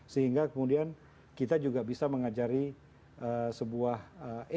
sehingga kemudian kita bisa melakukan pekerjaan yang lebih lengkap